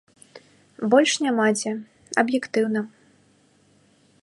Больш няма дзе, аб'ектыўна.